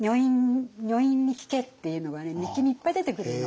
「女院に聞け」っていうのがね日記にいっぱい出てくるの。